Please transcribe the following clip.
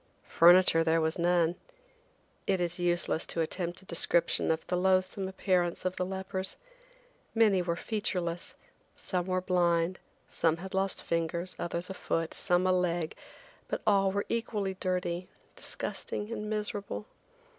Furniture there was none. It is useless to attempt a description of the loathsome appearance of the lepers. Many were featureless, some were blind, some had lost fingers, others a foot, some a leg, but all were equally dirty, disgusting and miserable.